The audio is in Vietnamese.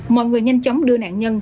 mọi người nhanh chóng đưa nạn nhân